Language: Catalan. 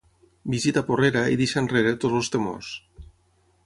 Visita Porrera i deixa enrere tots els temors.